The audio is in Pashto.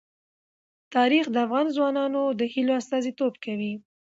تاریخ د افغان ځوانانو د هیلو استازیتوب کوي.